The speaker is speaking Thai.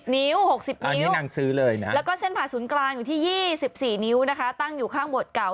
๖๐นิ้วแล้วก็เส้นผาสูนกลางอยู่ที่๒๔นิ้วนะคะตั้งอยู่ข้างบนเก่า